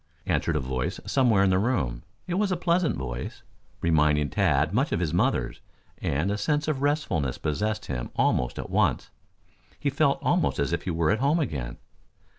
answered a voice somewhere in the room. It was a pleasant voice, reminding Tad much of his mother's, and a sense of restfulness possessed him almost at once. He felt almost as if he were at home again.